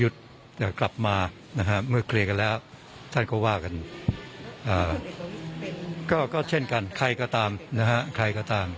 ส่วนความเคลื่อนไหวของผลเอกประยุทธิ์